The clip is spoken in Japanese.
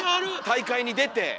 大会に出て。